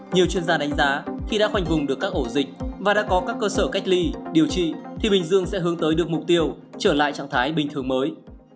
nhiều chuyên gia đánh giá khi đã khoanh vùng được các ổ dịch và đã có các cơ sở cách ly điều trị thì bình dương sẽ hướng tới được mục tiêu trở lại trạng thái bình thường mới